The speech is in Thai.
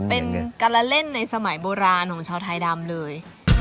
เป็นการละเล่นในสมัยโบราณของชาวไทยดำเลย